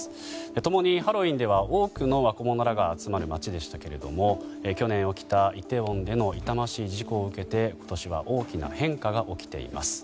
共にハロウィーンでは多くの若者らが集まる街でしたけれども去年起きたイテウォンでの痛ましい事故を受けて今年は大きな変化が起きています。